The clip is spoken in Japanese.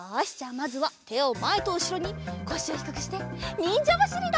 まずはてをまえとうしろにこしをひくくしてにんじゃばしりだ！